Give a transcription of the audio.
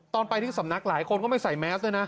ตอนไปที่สำนักหลายคนก็ไม่ใส่แมสด้วยนะ